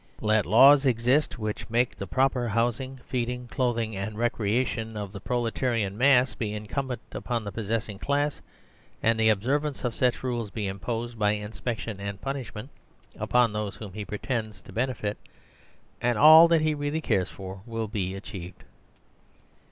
Let laws exist which make the proper housing, feeding, clothing, and recreation of the pro letarian massbeincumbent upon the possessing class, and the observance of such rules be imposed, by in spection and punishment, upon those whom he pre tends to benefit, and all that he really cares for will be achieved.